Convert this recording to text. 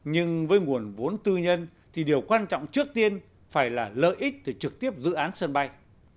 nhưng với nguồn vốn tư nhân thì điều quan trọng trước tiên phải là lợi ích từ trực tiếp dự án sân bay